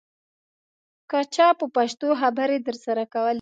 که چا په پښتو خبرې درسره کولې.